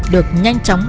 được nhanh chóng